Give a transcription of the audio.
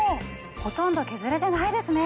ほとんど削れてないですね。